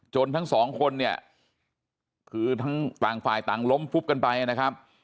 ทั้งสองคนเนี่ยคือทั้งต่างฝ่ายต่างล้มฟุบกันไปนะครับ